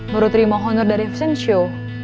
baru terima honor dari fisensio